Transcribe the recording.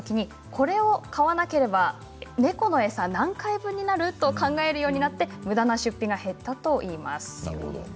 むだづかいしそうになったときにこれを買わなければ猫の餌、何回分になる？と考えるようになってむだな出費が減ったといいます。